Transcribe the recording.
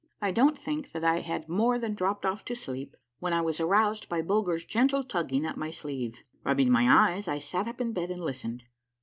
I don't think that I had more than dropped off to sleep when I was aroused by Bulger's gentle tugging at my sleeve. Rub bing my eyes, I sat up in bed and listened.